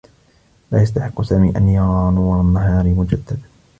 لا يستحقّ سامي أن يرى نور النّهار مجدّدا.